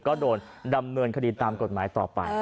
ก็โดนดำเนินคดีตามกฎหมายต่อไป